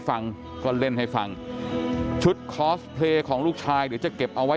ฟังก็เล่นให้ฟังชุดคอสเพลย์ของลูกชายเดี๋ยวจะเก็บเอาไว้